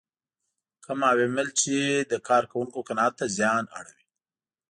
کوم عوامل چې د کار کوونکو قناعت ته زیان اړوي.